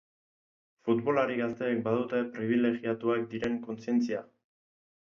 Futbolari gazteek badute pribilegiatuak diren kontzientzia?